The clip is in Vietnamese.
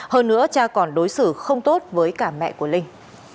hơn nữa cha còn đối xử không tốt với cả mẹ của linh